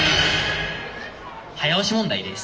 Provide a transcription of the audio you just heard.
早押し問題です。